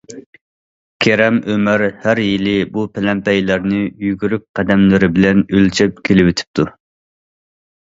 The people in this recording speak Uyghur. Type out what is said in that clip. كېرەم ئۆمەر ھەر يىلى بۇ پەلەمپەيلەرنى يۈگۈرۈك قەدەملىرى بىلەن ئۆلچەپ كېلىۋېتىپتۇ.